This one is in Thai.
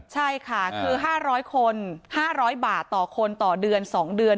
ใช่ค่ะคือ๕๐๐คน๕๐๐บาทต่อคนต่อเดือน๒เดือน